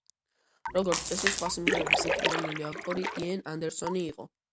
როგორც წესი, სხვა სიმღერების ერთპიროვნული ავტორი იენ ანდერსონი იყო.